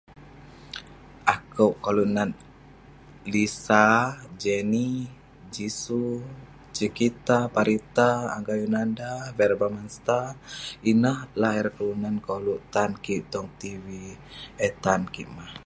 Akouk koluk nat Lisa, Jennie, Jisoo, [unintelligible] Angga Yunanda, Verrell Bramasta. Ineh lah ireh kelunan koluk tan kik tong tv, eh tan kik mah.